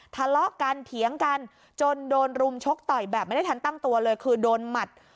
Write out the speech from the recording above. ทะเลาะกันเถียงกันจนโดนรุมชกต่อยแบบไม่ได้ทันตั้งตัวเลยคือโดนหมัด